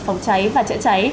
phòng cháy và chữa cháy